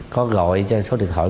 có gọi cho số điện thoại